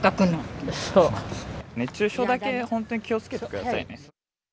熱中症だけ本当に気をつけてくださいね。